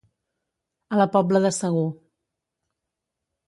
A la pobla de segur.